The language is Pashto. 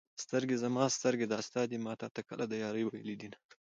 سترګې زما سترګې دا ستا دي ما تا ته کله د يارۍ ویلي دینه